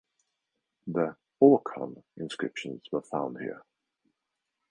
The Orkhon inscriptions were found here.